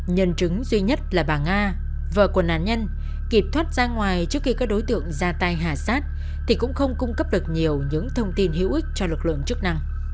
nhân chứng duy nhất là bà nga vợ của nạn nhân kịp thoát ra ngoài trước khi các đối tượng ra tay hà sát thì cũng không cung cấp được nhiều những thông tin hữu ích cho lực lượng chức năng